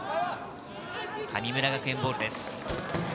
神村学園ボールです。